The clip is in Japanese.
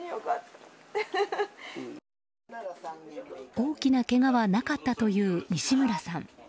大きなけがはなかったという西村さん。